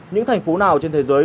những thành phố nào trên thế giới